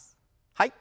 はい。